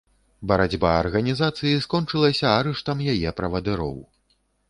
Барацьба арганізацыі скончылася арыштам яе правадыроў.